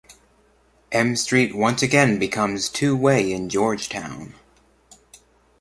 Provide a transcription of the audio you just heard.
M Street once again becomes two-way in Georgetown.